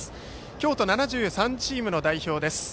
京都７３チームの代表です。